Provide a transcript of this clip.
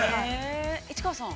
◆市川さん。